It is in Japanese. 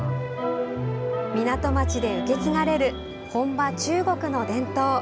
港町で受け継がれる本場・中国の伝統。